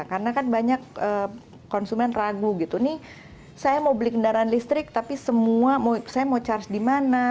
karena kan banyak konsumen ragu gitu nih saya mau beli kendaraan listrik tapi semua saya mau charge di mana